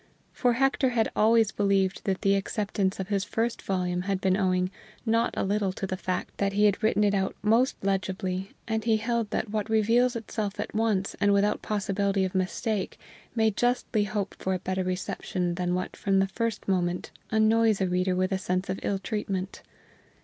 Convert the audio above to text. For Hector had always believed that the acceptance of his first volume had been owing not a little to the fact that he had written it out most legibly, and he held that what reveals itself at once and without possibility of mistake may justly hope for a better reception than what from the first moment annoys the reader with a sense of ill treatment.